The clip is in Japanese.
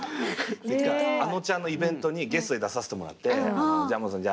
あのちゃんのイベントにゲストで出させてもらって「ジャンボさん